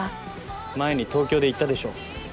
前に東京で言ったでしょ。